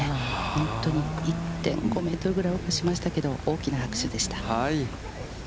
本当に１．５メートルぐらいオーバーしましたけれども、大きな拍手でした。